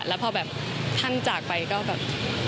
แล้วพอแบบท่านจากไปก็แบบ